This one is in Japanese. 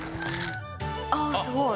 ああすごい。